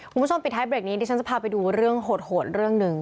คุณผู้ชมปิดท้ายเบรกนี้ดิฉันจะพาไปดูเรื่องโหดเรื่องหนึ่ง